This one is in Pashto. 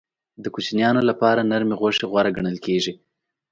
د کوچنیانو لپاره نرمې غوښې غوره ګڼل کېږي.